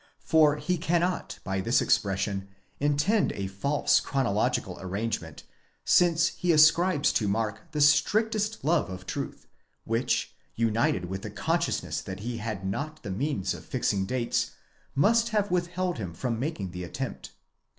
For he cannot by this expression intend a false chronological arrangement, since he ascribes to Mark the strictest love of truth, which, united with the consciousness that he had not the means of fixing dates, must have withheld him from making the attempt.